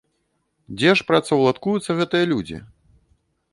Дзе ж працаўладкуюцца гэтыя людзі?